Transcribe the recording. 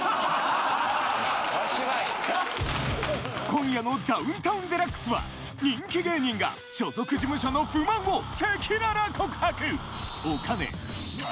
今夜の『ダウンタウンＤＸ』は人気芸人が所属事務所の不満を赤裸々告白！